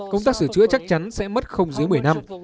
công tác sửa chữa chắc chắn sẽ mất không dưới một mươi năm